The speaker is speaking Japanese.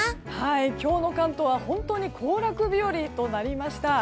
今日の関東は本当に行楽日和となりました。